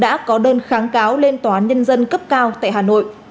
đã có đơn kháng cáo lên tòa án nhân dân cấp cao tại hà nội